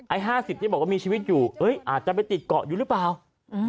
ห้าสิบที่บอกว่ามีชีวิตอยู่เอ้ยอาจจะไปติดเกาะอยู่หรือเปล่าอืม